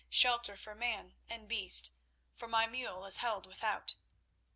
Shelter for man and beast, for my mule is held without.